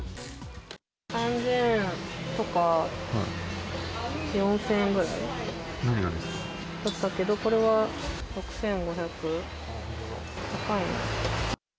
３０００円とか、４０００円ぐらいだったけど、これは６５００、高いな。